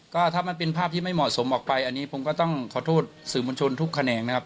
ก็ถ้ามันเป็นภาพที่ไม่เหมาะสมออกไปอันนี้ผมก็ต้องขอโทษสื่อมวลชนทุกแขนงนะครับ